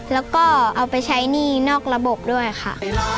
แล้วก็เอาไปใช้หนี้นอกระบบด้วยค่ะ